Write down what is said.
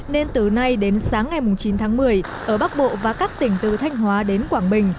nên từ nay đến sáng ngày chín tháng một mươi ở bắc bộ và các tỉnh từ thanh hóa đến quảng bình